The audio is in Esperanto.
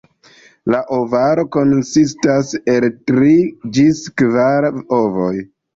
La ovaro konsistas el tri ĝis kvar ovoj.